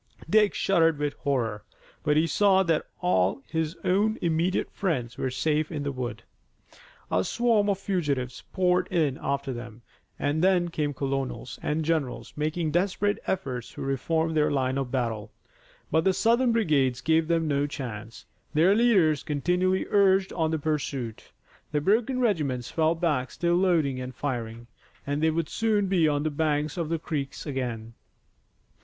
Dick shuddered with horror, but he saw that all his own immediate friends were safe in the wood. A swarm of fugitives poured in after them, and then came colonels and generals making desperate efforts to reform their line of battle. But the Southern brigades gave them no chance. Their leaders continually urged on the pursuit. The broken regiments fell back still loading and firing, and they would soon be on the banks of the creek again.